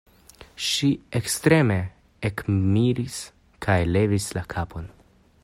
Ŝi ekstreme ekmiris kaj levis la kapon: